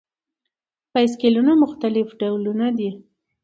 بایسکلونه مختلف ډوله دي.